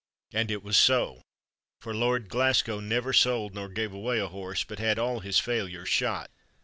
And it was so. For Lord Glasgow never sold nor gave away a horse, but had all his "failures" shot.